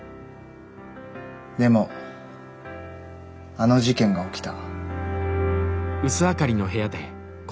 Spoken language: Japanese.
でもあの事件が起きた。